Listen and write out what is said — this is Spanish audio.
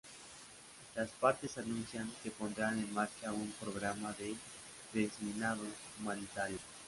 Las partes anuncian que pondrán en marcha un programa de desminado humanitario.